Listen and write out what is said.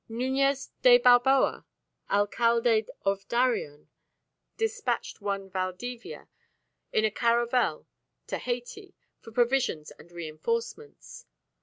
Nuñez de Balboa, Alcalde of Darien, dispatched one Valdivia in a caravel to Hayti for provisions and reinforcements.